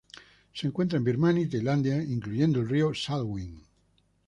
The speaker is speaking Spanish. Se encuentra en Birmania y Tailandia, incluyendo el río Salween.